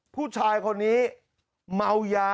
ผู้ชายคนนี้เมายา